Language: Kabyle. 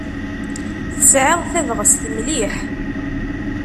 Tesɛiḍ tabɣest mliḥ.